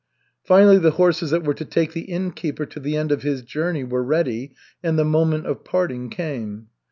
Finally the horses that were to take the innkeeper to the end of his journey were ready, and the moment of parting came.